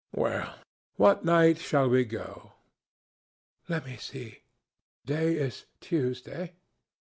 "Well, what night shall we go?" "Let me see. To day is Tuesday.